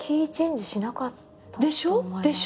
でしょ？でしょ？